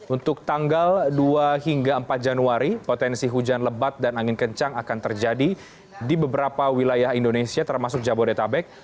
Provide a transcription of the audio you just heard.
untuk tanggal dua hingga empat januari potensi hujan lebat dan angin kencang akan terjadi di beberapa wilayah indonesia termasuk jabodetabek